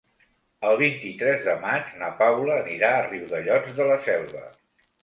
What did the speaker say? El vint-i-tres de maig na Paula anirà a Riudellots de la Selva.